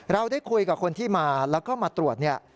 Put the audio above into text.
เราได้คุยกับคนที่มาแล้วก็มาตรวจเนี่ย